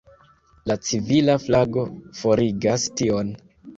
La civila flago forigas tion.